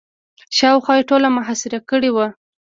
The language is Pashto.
شاوخوا یې ټوله محاصره کړې وه.